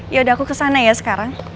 yaudah aku kesana ya sekarang